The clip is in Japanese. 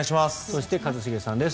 そして、一茂さんです。